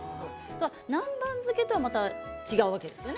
南蛮漬けとまた違うわけですよね。